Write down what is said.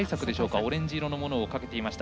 オレンジ色のものかけていました。